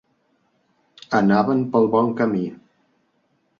Anaven pel bon camí.